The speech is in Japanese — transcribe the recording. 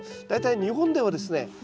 大体日本ではですね